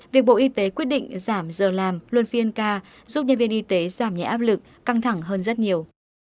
việc bộ y tế quyết định giảm giờ làm luân phiên ca giúp nhân viên y tế giảm nhẹ áp lực căng thẳng hơn rất nhiều